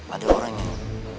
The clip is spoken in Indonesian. ada orang yang